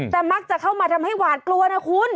แต่มักจะเข้ามาทำให้หวาดกลัวนะคุณ